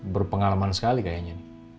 berpengalaman sekali kayaknya